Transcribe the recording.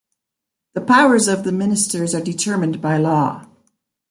The powers of the ministers are determined by law.